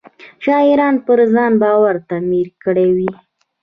شاعرانو پر ځان بار تحمیل کړی وي.